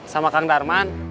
sama kang darman